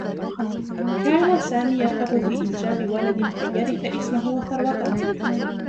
كان سامي راغبا في إنجاب ولد كي يرث إسمه و ثروته.